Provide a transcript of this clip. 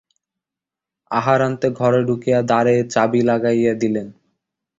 আহারান্তে ঘরে ঢুকিয়া দ্বারে চাবি লাগাইয়া দিলেন।